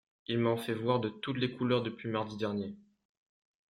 Il m'en fait voir de toutes les couleurs depuis mardi dernier.